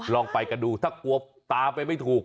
ลองไปกันดูถ้ากลัวตามไปไม่ถูก